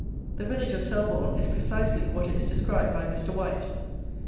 The village of Selborne is precisely what it is described by Mr. White.